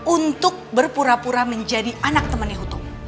untuk berpura pura menjadi anak temennya hutomo